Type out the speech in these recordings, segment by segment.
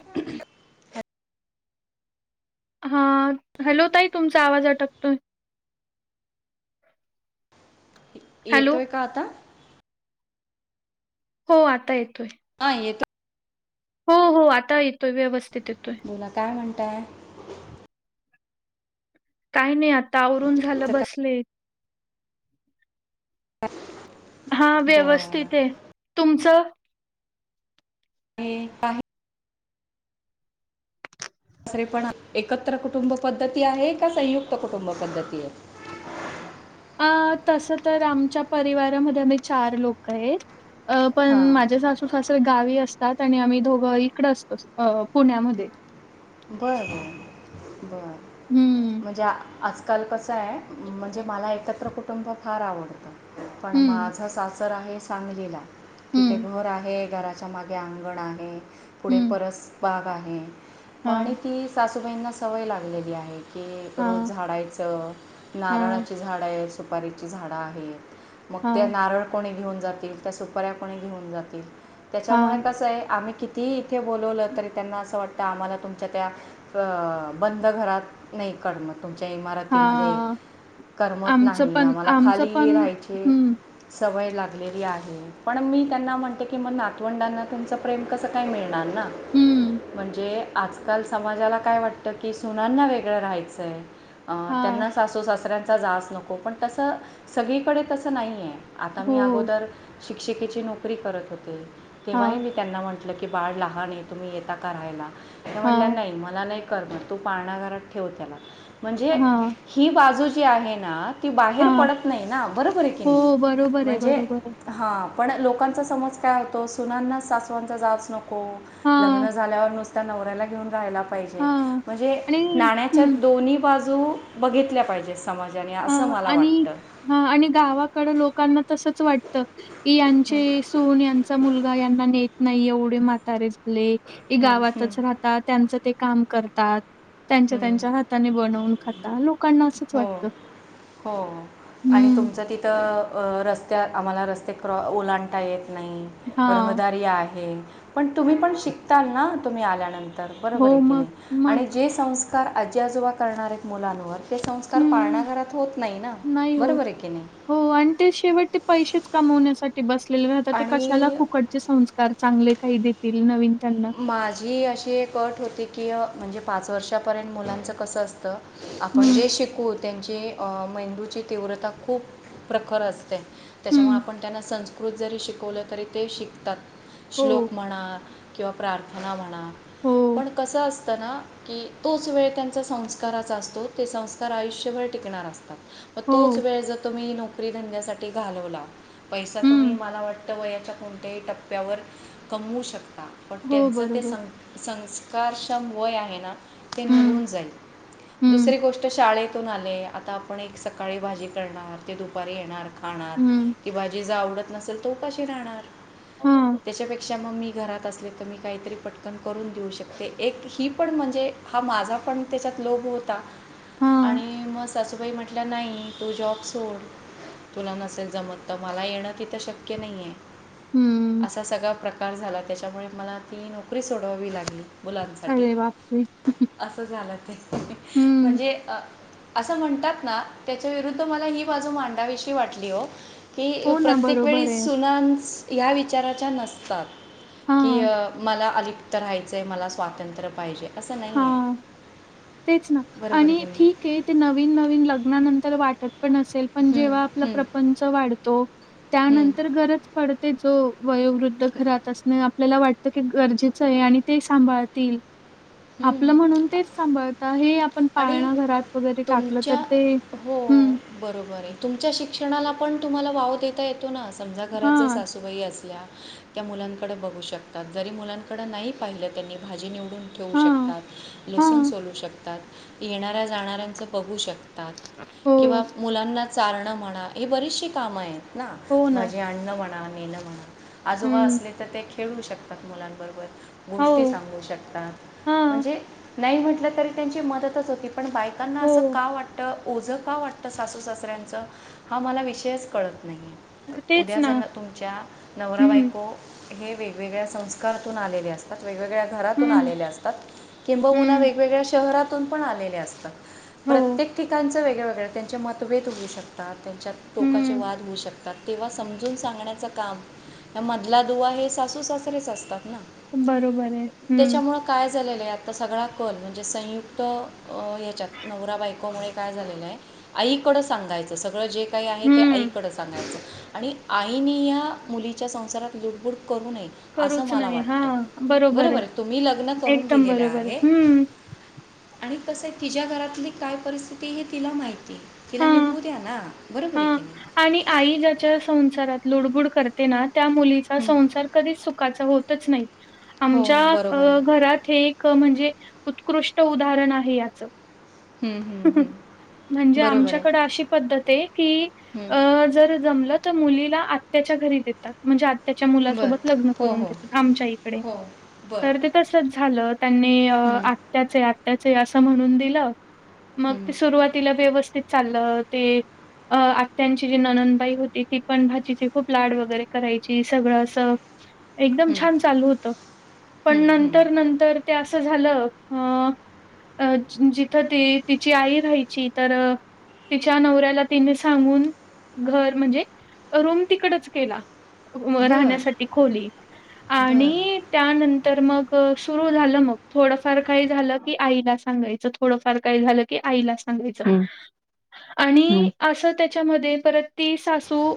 Hello हा hello ताई तुमचा आवाज अटकतोय. हॅलो? येतोय का आता? हो आता येतोय. हा येतोय. हो हो आता येतोय व्यवस्थित. येतोय. बोला काय म्हणताय? काही नाही आता आवरून झालं चं काय बसले. [inaudible] हा बरं व्यवस्थित आहे तुमचं. मी आहे. दुसरे पण एकत्र कुटुंब पद्धती आहे, का संयुक्त कुटुंब पद्धती आहे. [inaudible] तस तर आमच्या परिवारामध्ये आम्ही चार लोक आहे. अ पण हां माझ्या सासू सासरे गावी असत तात आणि आम्ही दोघं इकड असतो अ पुण्यामध्ये बरं बरं बरं हं, म्हणजे आ आज कल्पच आहे, म्हणजे मला एकत्र कुटुंब फार आवडतं पण हं, माझं सास तर आम्ही सांगलीला तिथे हं, घर आहे, घराच्या मागे अंगण आहे. पुढे हं. परस बाग आहे, हां, आणि ती सासूबाईंना सवय लागलेली आहे. की रोज हां, झाडायचं हां, नारळाची झाडं आहेत, सुपारीची झाडं आहेत. मग त्या हां, नारळ कोणी घेऊन जातील त्या सुपाऱ्या कोणी घेऊन जातील. त्याच्यामुळे हां, कसं आहे, आम्ही कितीही इथे बोलवलं तरी त्यांना असं वाटतं आम्हाला तुमच्या त्या बंद घरात नाही करमत तुमच्या इमारतीमध्ये. हां. करमत आमचं नाही पण आम्हाला आमचं खाली पण राहायची हं, सवय. लागलेली आहे, पण मी त्यांना म्हणते की म नातवंडांना तुमचं प्रेम कसं काय मिळ नार ना हं. म्हणजे. आजकाल समाजाला काय वाटतं की, सुनांना वेगळं राहायचंय. हां. त्यांना सासू सासऱ्यांचा जास नको पण तसं सगळीकडे तसं नाही आहे. आता मी हो. अगोदर शिक्षिकेची नोकरी करत होते, तेव्हाही हां, मी त्यांना म्हणत म्हटल की बाळ लहान आहे, तुम्ही येता का राहायला म्हटल्या हां, नाही मला नाही. करणार तू पाळणा घरात ठेव त्याला म्हणजे हां, ही बाजू जी आहे ना. ती बाहेर हां. पडत नाही ना बरोंबर आहे की, नाही हो, बरोबर आहे, म्हणजे बरोबर आहे. हां पण लोकांचा समज काय होतो, सुनांना सासवांचा जाच नको हां, लग्न झाल्यावर नुसतं नवऱ्याला घेऊन राहायला पाहिजे हां. म्हणजे आणि नाण्याच्या हं, दोन्ही बाजू. जू बघितल्या पाहिजे. समाजाने ह असं मला आणि वाटतं ह आणि गावाकड लोकांना तस. असच वाटत की, हं, यांची सून यांचा मुलगा यांना नेत नाही एवढे म्हातारे झाले ते हं, हं, गावातच राहतात त्यांच ते काम करतात. त्यांच्या हं, त्यांच्या हाताने बनवून खाता लोकांना असंच वाटतं. हो हो आणि हं. तुमच तिथ रस्त्या आम्हाला रस् ते क्रॉ ओलांडता येत नाही हां. रहदारी आहे. पण तुम्ही पण शिकताल ना तुम्ही आल्यानंतर बरोबर हो, आहे की मग नाही मग. आणि जे संस्कार आजी आजोबा करणार आहेत मुलांवर. संस्कार हं. पाळणाघरात होत नाही ना नाही होत. बरोबर आहे की, नाही. हो आणि ते शेवट ते पैसेच कमवण्यासाठी बसलेले आता ते कशाला आणि फुकटचे संस्कार चांगले काही देतील नवीन. त्यांना. माझी अशी एक अट होती की म्हणजे पाच वर्षापर्यंत मुलांचं कसं असतं आपण हं, जे शिकू त्यांची मेंदूची तीव्रता खूप प्रखर असते ते त्याच्यामुळ हं. आपण त्यांना संस्कृत जरी शिकवलं तरी ते शिकतात हो, श्लोक म्हणा किंवा प्रार्थना म्हणा हो, पण कसं असतना की तोच वेळ त्यांचा संस्काराचा असतो ते संस्कार आयुष्यभर टिकणार असतो तोच हो. वेळ जर तुम्ही नोकरी धंद्यासाठी घालवला पैसा तुम्ही हं. मला वाटतं वयाच्या कोणत्याही टप्प्यावर कमवू शकता ता पण हो, त्यांचं ते बरोबर. सं संस्कारक्षम वय आहे ना ते हं, निघून जाईल हं, दुसरी गोष्ट शाळेतून आले आता आपण एक सकाळी भाजी करणार ते दुपारी येणार खाणार हं. ती भाजी जा आवडत नसेल तो उपाशी राहणार हां, त्याच्यापेक्षा मग मी घरात तर मी काहीतरी पटकन करून देऊ शकते एक ही पण म्हणजे हा माझा पण त्याच्यात लोक होता हां. आणि मग सासूबाई म्हटलं नाही तो जॉब सोड तुला नसेल जमत तर मला येणं तिथं शक्य नाहीये हं. असा सगळा प्रकार झाला त्याच्यामुळे मला ती नोकरी सोडवावी लागली मुलांसाठी अरे बापरे! असं झालं ते हं. म्हणजे असं म्हणतात ना त्याच्या विरुद्ध मला ही बाजू मांडावीशी वाटली हो की हो ना, प्रत्येक वेळी बरोबर आहे. सुनान्स ह्या विचाराच्या नसतात की हां, मला अलिप्त राहायचंय मला स्वातंत्र्य पाहिजे असं नाही आहे हां. तेच ना बरोबर आणि की नाही ठीक आहे ते नवीन नवीन लग्नानंतर वाटत पण असेल पण हं, जेव्हा आपला हं, प्रपंच वाढतो हं, त्यानंतर गरज पडते जो वयोवृद्ध घरात असण आपल्याला वाटतं की गरजेचं आहे आणि ते सांभाळतील हं. आपलं म्हणून तेच सांभाळत हे आपण आणि पाळणा घरात वगैरे टाकलं तर तुमच्या ते हो बरोबर आहे तुमच्या शिक्षणाला पण तुम्हाला वाव देता येत तो ना समजा घरात जर हां, सासूबाई असल्या त्या मुलांकडे बघू शकतात जरी मुलांकड नाही पाहिलं त्यांनी भाजी निवडून ठेवू हां, शकतात लसून हां. सोलू शकतात येणाऱ्या जाणाऱ्यांचं बघू शकतात हो, किंवा मुलांना चारणं म्हणा हे बरीचशी कामं आहेत ना हो ना. माझी अणण म्हणा मेनं म्हणा आजोबा हं, असले तर ते खेळू शकतात मुलांबरोबर गोष्टी हो, सांगू शकतात हां, म्हणजे नाही म्हटलं तरी त्यांची मदतच होती पण बायकांना असं हो. का वाटतं ओझं का वाटतं सासू सासऱ्यांचं हा मला विषयच कळत नाही आहे तेच उद्या ना. जना तुमच्या नवरा हं, बायको हे वेगवेगळ्या संस्कारातून आलेले असतात वेगवेगळ्या घरातून हं, आलेले असतात किंबहुना हं. वेगवेगळ्या शहरातून पण आले असतात हो, प्रत्येक ठिक त्यांं वेगळवेगळे्या त्यांचे मतभेद होऊ शकात त्यांच्यात टोकाचे हं. वाद होऊ शकतात तेव्हा समजून सांगण्याचं काम मधला दुवा हे सासू सासरेच असतात ना बरोबर आहे हम्म झाले आ सगळा कल म्हणजे संयुक्त याच्यात नवरा बायकोमुळे काय झालेलं आहे आईकडं सांगायचं सगळं जे काही आहे ते हं, आईकडं सांगायचं आणि आईनी या मुलीच्या संसारात लुडबुड करू नये असं करूच मला नाही. वाटतं हां, बरोबर आहे तुम्ही लग्न करून एकदम दिलेलं बरोबर आहे हम्म आणि कसं तिच्या घरातली काय परिस्थिती हे तिला माहिती आहे तिला ह निभू द्या ना बरोबर हा आहे की नाही आणि आई ज्याच्या संसारात लुडबुड करते ना त्या मुलीचा हं. संसार कधी सुखाचा होतच नाही हो हो बरोबर आमच्या आहे घरात हे एक म्हणजे उत्कृष्ट उदाहरण आहे याचं हम्म हम्म हम् म्हणजे आमच्याकड अशी पद्धत आहे की हं. अ जर जमलं तर मुलीला त्याच्या घरी देतात म्हणजे आत्याच्या बरं मुलासोबत लग्न हो करून हो देतात आमच्या इकडे. हो तर बरं ते तसचं झालं त्यांनी हं, आत्याचे आ त्याचे असं म्हणून दिलं मग हं, ते सुरुवातीला व्यवस्थित चाललं ते अ आत्यांची जी ननदबाई होती ती पण भाजीची खूप लाड वगैरे करायची सगळं असं एकदम हं, छान चालू होत पण हं, हं. नंतर-नंतर ते असं झालं अ अ जिथं ते तिची आई राहायची तर तिच्या नवऱ्याला तिने सांगून घर म्हणजे रूम तिकडच केला. व बरं, राहण्यासाठी खोली बरं. आणि त्यानंतर मग सुरू झालं मग थोडंफार काही झालं की आईला सांगायचं थोडंफार काही झालं की आईला सांगायचा हं, हं. आणि असं त्याच्यामध्ये परत ती सासू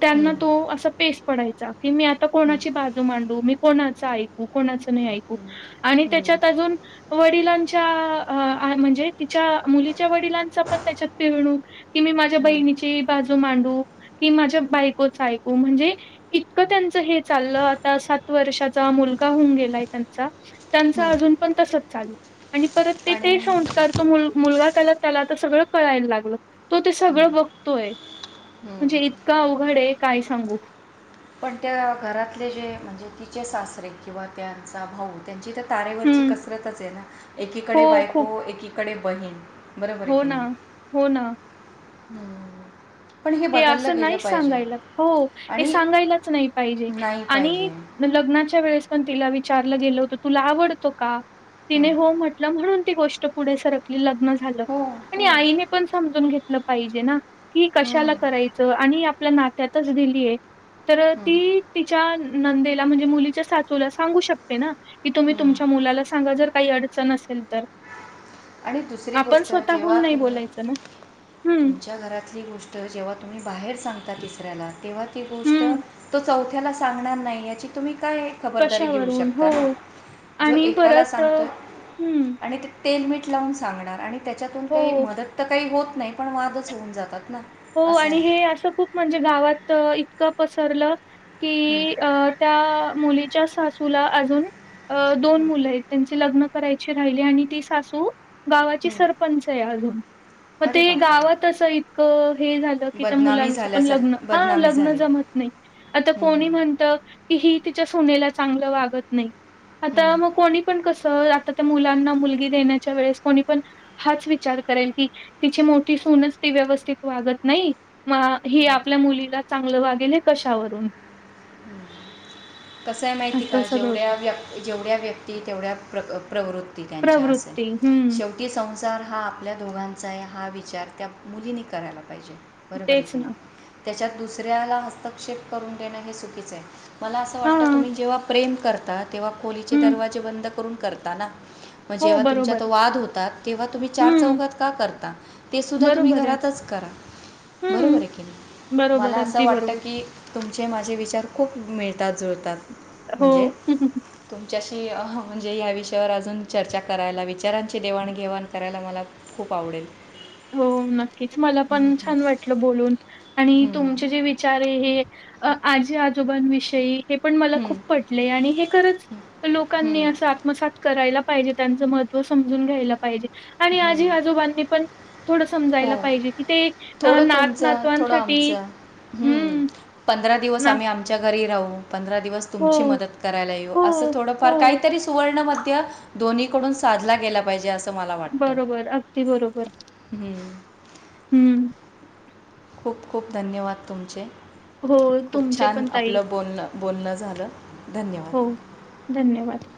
त्यांना हं, तो असा पेस पडायचा की मी आता हं, कोणाची बाजू मांडू मी कोणाचा ऐकू, कोणाचा नाही ऐकू हं, आणि हं, त्याच्यात अजून वडिलांच्या आ म्हणजे तिच्या मुलीच्या वडिलांचा पण त्याच्यात पिरणूक की मी माझ्या हं, बहिणीची बाजू मांडू की माझ्या बायकोच ऐकू म्हणजे इतकं त्यांच हे चाललं आता सात वर्षाचा मुलगा होऊन गेलाय त्यांचा त्यांचा हं. अजून पण तसचं चालू आणि परत ते आणि ते संस्कार तो मूल मुलगा त्याला त्याला आता सगळं कळायला लागलं तो ते हं, सगळं बघतोय म्हणजे हं. इतका अवघड आहे काय सांगू. पण त्या घरातले जे म्हणजे तिचे सासरे किंवा त्यांचा भाऊ त्यांची तर तारेवरची हम्म. कसरतच आहे ना हो एकीकडे खूप बायको एकीकडे बहीण. हो ना हो ना. हम्म. हे असं नाही सांगायला को हे आणि सांगायलाच नाही नाही पाहिजे. लग्नाच्या वेळेस पण तला विचारलं गेलो होतं तुला आवडत का तिने हं. हो मम्हटलं म्हणून ती गोष्ट पुढे सरकली लग्न झालं हो, आणि हो. आईने पण समजून घेतलं पाहिजे ना की हं, कशाला करायचा आणि आपल्या नात्यातच दिलीय तर हं, ती तिच्या नंदेला म्हणजे मुलीच्या साचूला सांगू शकते ना की तुम्ही हं. तुमच्या मुलाला सांगा जर काही अड चन असेल तर आणि दुसरी आपण गोष्ट जेव्हा स्वतःहून नाही तुम्ही बोलायचं ना हम्म तुमच्या घरातली गोष् ट जेव्हा तुम्ही बाहेर सांगता तिसरयाला तेव्हा ती गोष्ट हम्म तो चौ थ्याला सांगणार नाही याची तुम्ही काय खबरदारी घेऊ कशावरून शकता ना हो जो आणि एकाला परत अ, सांगतोय हं. आणि ते तेल, मीठ लावून सांगणार आणि त्याच्यातून काही हो, मदत तर काही होत नाही पण वादच होऊन जातात. ना हो असं आणि आहे हे असं खूप म्हणजे गावात इतकं पसरलं हं, कि अ त्या मुलीच्या सासूला अजून दोन हं, मुलं आहेत त्यां चे लग्न करायच राहिली आणि ती सासू गावाची हं. सरपंच आहे अजून म अरे ते गावात बापरे असं इतकं हे झालं की त्या बदनामी मुलांचे पण लग्न झाल्यासारखी हा बदनामी लग्न झाली जमत नाही. आता हं, कोणी हं, म्हणत की ही तिच्या सू नेला चांगला वागत नाही आता हं. मग कोणी पण कसं आता मुलांना मुलगी देण्याच्या वेळेस कोणी पण हाच विचार करेल की तिची मोठी सूनच ती व्यवस्थित वागत नाही म ही आपल्या मुलीला चांगलं वागेल कशावरून. हम्म. कसं आहे माहिती असं का सगळं जेवढ्या होतं. व्य जेवढ्या व्यक्ती तेवढ्या प्रक प्रवृत ती त्यांच्या असेल, प्रवृत्ती हं, शेवटी सं संसार हा आपल्या दोघांचा आहे हा विचार त्या मुलीनी करायला पाहिजे. बरोबर आहे तेच की ना. नाही त्याच्यात दुसऱ्याला हस्तक्षेप करून देणं हे चुकीच आहे. मला असं वाटतं हां, तुम्ही जेव्हा प्रेम करता तेव्हा खोलीचे हं. दरवाजे बंद करून करता ना म हो, जेव्हा बरोबर. तुमच्यात वाद होतात, तेव्हा तुम्ही चार हं, चौघात का करता? ते सुद्धा तुम्ही बरोबर आहे. घरातच च करा, बरोबर हं, ये की नै, मला बरोबर. असं अगदी वाटतं बरोबर. की तुमचे माझे विचार खूप मिळतात जुळतात म्हणजे, हो. तुमच्याशी की म्हणजे हया विषयावर अजून चर्चा करायला, विचारांची देवाणघेवाण करायला ला मला खूप आवडेल. हो नक्कीच, मला हम्म, पण हम्म, छान वाटलं बोलून, आणि तुमचे हम्म, जे विचार ये हे अ आजी आजोबां विषयी हे पण मला खूप पटलेय आणि हे खरंच लोकांनी हम्म, असं आत्मसात करायला पाहिजे. त्यांचं महत्त्व समजून घ्यायला पाहिजे. आणि हम्म. आजी आजोबांनी पण थोडं हो समजायला पाहिजे, की ते अ, थोडं तुमचं, थोडं नात-नातवांसाठी आमचं हम्म, हं, पंधरा दिवस ना आम्ही आमच्या घरी राहू पं दिवस हो, तुमची मदत करायला येऊ, हो, असं थोडफार हो. काहीतरी सुवर्णमध् ध्य दोन्हीकडून साधला गेला पाहिजे असं मला वाटतं बरोबर, अगदी बरोबर. हम्म. हूं खूप खूप धन्यवाद तुमचे, हो, खूप तुमचे छान पण ताई. आपलं बोलणं, बोलणं झालं. धन्यवाद हो धन्यवाद.